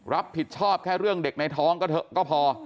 รับผิดชอบแค่เรื่องเด็กในท้องก็เถอะก็พอ